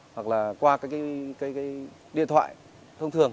hoặc là qua cái điện thoại thông thường